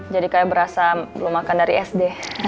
jadi kayak berasa belum makan dari sd